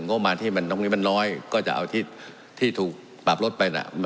งบมารที่มันตรงนี้มันน้อยก็จะเอาที่ถูกปรับลดไปน่ะ